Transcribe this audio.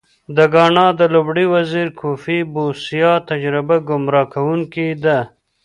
د ګانا د لومړي وزیر کوفي بوسیا تجربه ګمراه کوونکې ده.